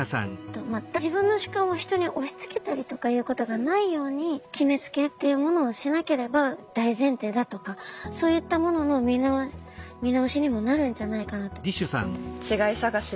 自分の主観を人に押しつけたりとかいうことがないように決めつけっていうものをしなければ大前提だとかそういったものの見直しにもなるんじゃないかなと。